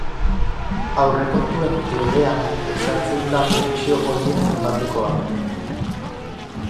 Aurrekontuen Legean ezartzen da pentsio horien zenbatekoa.